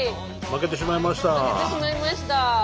負けてしまいました。